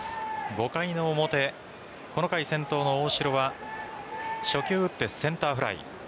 ５回の表この回先頭の大城は初球打ってセンターフライ。